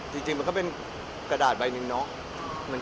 ที่จริงก็เป็นกระดาษใบหนึ่งมันแค่นั้นเอง